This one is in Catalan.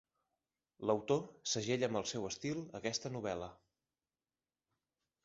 L'autor segella amb el seu estil aquesta novel·la.